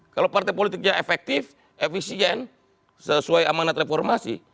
kalau partai politiknya efektif efisien sesuai amanat reformasi